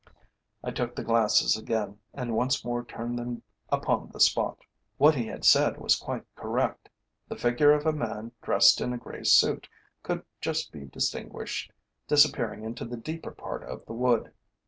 I took the glasses again and once more turned them upon the spot. What he had said was quite correct; the figure of a man dressed in a grey suit could just be distinguished disappearing into the deeper part of the wood.